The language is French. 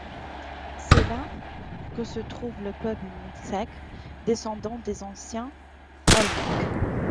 C'est là que se trouve le peuple mixtèque, descendants des anciens Olmèques.